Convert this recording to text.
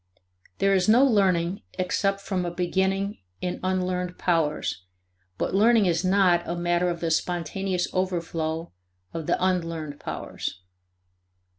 There is no learning except from a beginning in unlearned powers, but learning is not a matter of the spontaneous overflow of the unlearned powers.